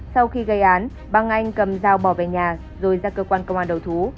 sau khi gây án băng anh cầm dao bỏ về nhà rồi ra cơ quan công an đầu thú